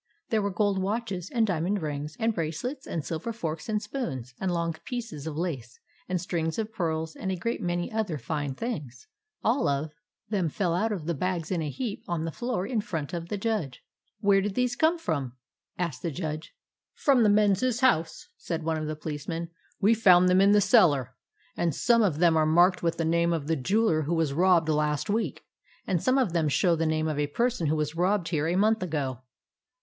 There were gold watches and diamond rings and brace lets, and silver forks and spoons, and long pieces of lace, and strings of pearls, and a great many other very fine things. All of 76 THE ADVENTURES OF MABEL them fell out of the bags in a heap on the floor in front of the Judge. 11 Where did these come from ?" asked the Judge. " From the men's house," said one of the policemen. " We found them in the cellar. And some of them are marked with the name of the jeweller who was robbed last week, and some of them show the name of a person who was robbed here a month ago."